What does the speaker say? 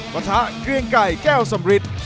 ประทะเกลียงไก่แก้วสมฤทธิ์